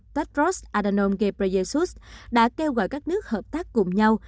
tedros adhanom ghebreyesus đã kêu gọi các nước hợp tác cùng nhau